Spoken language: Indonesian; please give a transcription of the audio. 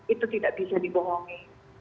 itu tidak bisa dibohongi